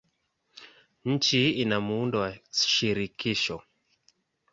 Nchi ina muundo wa shirikisho.